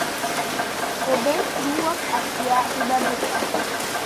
Obey grew up as a Republican.